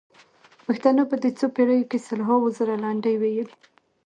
پښتنو په دې څو پېړیو کې سلهاوو زره لنډۍ ویلي.